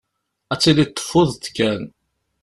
Ad tiliḍ teffudeḍ kan.